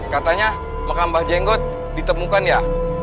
katanya makam mbak jenggot ditemukan ya